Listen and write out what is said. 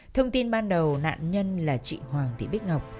thông tin ban đầu nạn nhân là chị hoàng thị bích ngọc